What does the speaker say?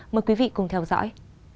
mời quý vị cùng theo dõi